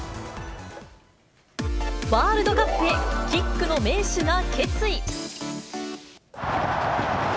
ワールドカップへキックの名手が決意。